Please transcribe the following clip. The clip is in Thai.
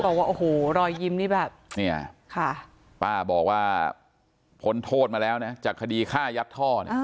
ตอนนี้บอกว่าโอ้โหรอยยิ้มนี่แบบป้าบอกว่าพ้นโทษมาแล้วจากคดีฆ่ายัดท่อ